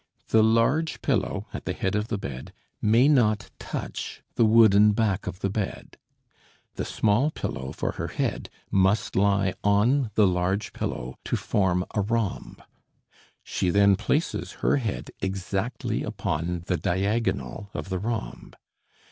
The large pillow at the head of the bed may not touch the wooden back of the bed. The small pillow for her head must lie on the large pillow to form a rhomb; she then places her head exactly upon the diagonal of the rhomb.